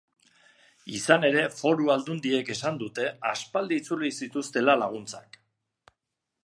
Izan ere, foru aldundiek esan dute aspaldi itzuli zituztela laguntzak.